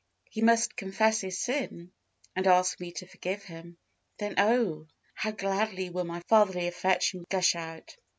He must confess his sin, and ask me to forgive him. Then, oh! how gladly will my fatherly affection gush out!